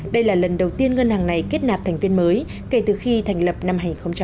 đây là lần đầu tiên ngân hàng này kết nạp thành viên mới kể từ khi thành lập năm hai nghìn một mươi